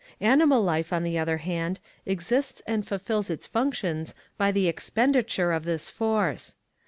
Animal life, on the other hand, exists and fulfills its functions by the expenditure of this force.